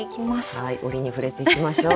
はい折に触れていきましょう。